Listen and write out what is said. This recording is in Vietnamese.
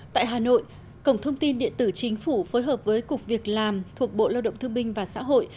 tại hà nội cổng thông tin điện tử chính phủ phối hợp với cục việc làm thuộc bộ lao động thương binh và xã hội